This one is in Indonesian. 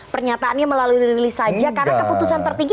pernyataannya melalui rilis saja karena keputusan tertinggi